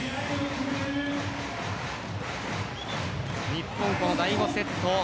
日本、第５セット